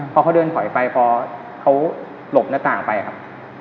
พอเขาเดินถอยไปพอเขาหลบหน้าต่างไปครับ